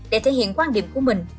để thể hiện quan điểm của mình